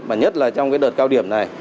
và nhất là trong cái đợt cao điểm này